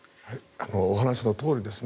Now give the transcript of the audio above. お話のとおりですね。